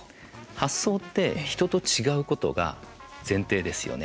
発想って、人と違うことが前提ですよね。